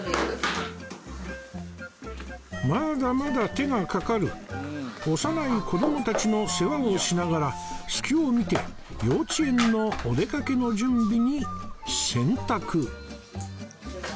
まだまだ手がかかる幼い子どもたちの世話をしながら隙を見て幼稚園のお出かけの準備に洗濯